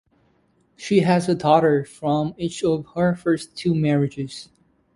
She has a daughter from each of her first two marriages.